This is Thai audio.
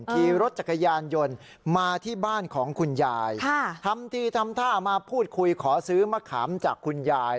ขี่รถจักรยานยนต์มาที่บ้านของคุณยายทำทีทำท่ามาพูดคุยขอซื้อมะขามจากคุณยาย